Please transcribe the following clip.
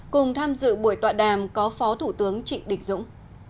cùng tham dự buổi tọa đàm có phó thủ tướng trịnh đình dũng